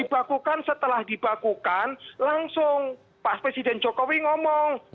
dibakukan setelah dibakukan langsung pak presiden jokowi ngomong